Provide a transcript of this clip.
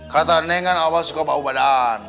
kata neng kan awal suka bau badan